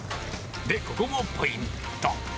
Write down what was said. ここもポイント。